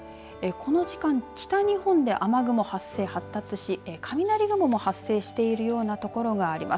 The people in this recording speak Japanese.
この時間北日本で雨雲、発生、発達し雷雲も発生しているような所があります。